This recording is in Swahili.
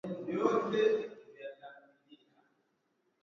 Wengu kufura na kuwa laini zaidi